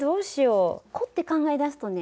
凝って考え出すとね